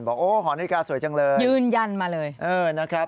บอกโอ้หอนาฬิกาสวยจังเลยยืนยันมาเลยเออนะครับ